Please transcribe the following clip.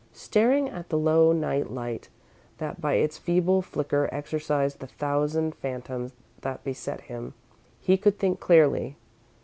Staring at the low night light, that by its feeble flicker exorcised the thousand phantoms that beset him, he could think clearly.